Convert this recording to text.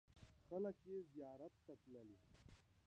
خلک یې زیارت ته تللي.